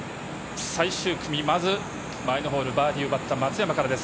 最終組、まず前のホール、バーディーを奪った松山からです。